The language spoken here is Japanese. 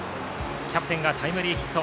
キャプテンがタイムリーヒット。